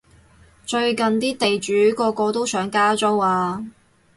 最近啲地主個個都想加租啊